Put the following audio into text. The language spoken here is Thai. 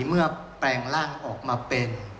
แปลงร่างออกมาเป็น